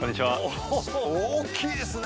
おー大きいですね！